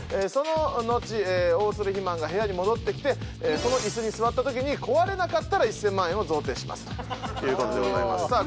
その後大鶴肥満が部屋に戻ってきてその椅子に座ったときに壊れなかったら１０００万円を贈呈しますということでございます。